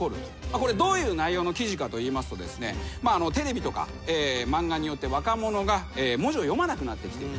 これどういう内容の記事かというとテレビとか漫画によって若者が文字を読まなくなってきている。